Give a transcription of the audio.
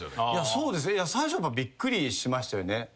そうです。最初びっくりしましたよね。